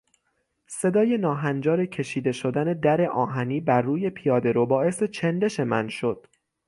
صدای ناهنجار کشیده شدن در آهنی بر روی پیادهرو باعث چندش من شد.